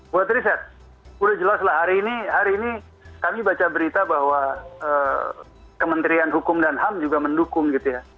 buat riset udah jelas lah hari ini hari ini kami baca berita bahwa kementerian hukum dan ham juga mendukung gitu ya